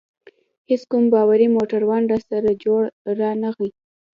هیڅ کوم باوري موټروان راسره جوړ رانه غی.